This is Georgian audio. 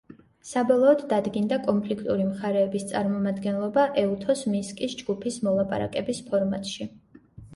საბოლოოდ დადგინდა კონფლიქტური მხარეების წარმომადგენლობა ეუთოს მინსკის ჯგუფის მოლაპარაკების ფორმატში.